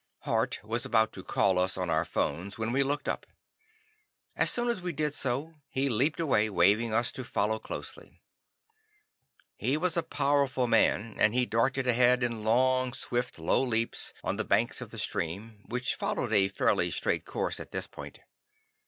Hart was about to call us on our phones when we looked up. As soon as we did so, he leaped away, waving us to follow closely. He was a powerful man, and he darted ahead in long, swift, low leaps up the banks of the stream, which followed a fairly straight course at this point.